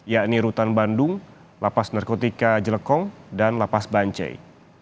yakni rutan bandung lapas narkotika jelekong dan lapas bancai